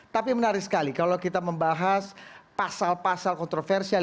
tapi menarik sekali kalau kita membahas pasal pasal kontroversial